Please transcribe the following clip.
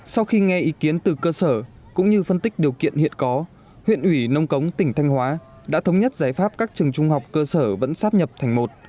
sau khi nghe ý kiến từ cơ sở cũng như phân tích điều kiện hiện có huyện ủy nông cống tỉnh thanh hóa đã thống nhất giải pháp các trường trung học cơ sở vẫn sắp nhập thành một